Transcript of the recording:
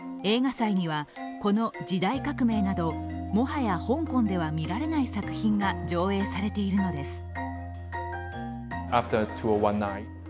映画祭にはこの「時代革命」などもはや香港では見られない作品が上映されているのです。